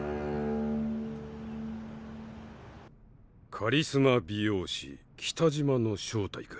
カリスマ美容師北島の正体か。